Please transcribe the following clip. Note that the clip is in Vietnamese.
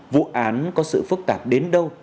vụ án có sự phức tạp đến đâu